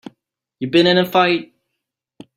You been in a fight?